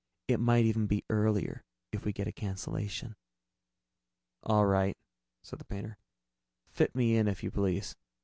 "It might even be earlier, if we get a cancellation." "All right," said the painter, "fit me in, if you please."